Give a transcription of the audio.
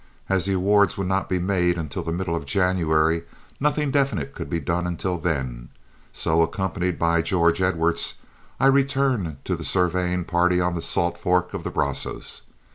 As the awards would not be made until the middle of January, nothing definite could be done until then, so, accompanied by George Edwards, I returned to the surveying party on the Salt Fork of the Brazos.